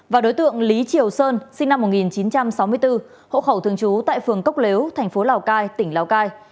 và đối tượng lý triều sơn sinh năm một nghìn chín trăm sáu mươi bốn hộ khẩu thường trú tại phường cốc lếu thành phố lào cai tỉnh lào cai